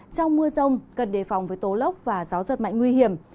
trong mưa rông cần đề phòng với tố lốc và gió giật mạnh nguy hiểm